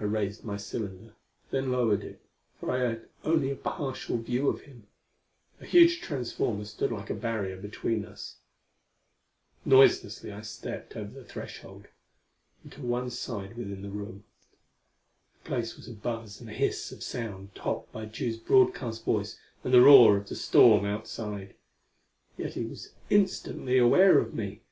I raised my cylinder; then lowered it, for I had only a partial view of him: a huge transformer stood like a barrier between us. Noiselessly I stepped over the threshold, and to one side within the room. The place was a buzz and hiss of sound topped by Tugh's broadcast voice and the roar of the storm outside yet he was instantly aware of me!